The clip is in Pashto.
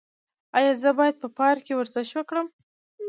ایا زه باید په پارک کې ورزش وکړم؟